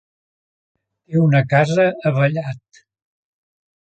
Té una casa a Vallat.